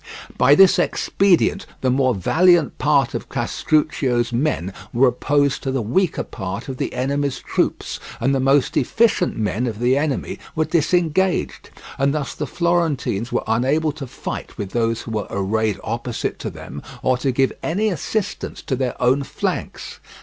By this expedient the more valiant part of Castruccio's men were opposed to the weaker part of the enemy's troops, and the most efficient men of the enemy were disengaged; and thus the Florentines were unable to fight with those who were arrayed opposite to them, or to give any assistance to their own flanks.